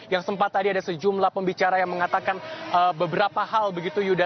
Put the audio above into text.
yang sempat tadi ada sejumlah pembicara yang mengatakan beberapa hal begitu yuda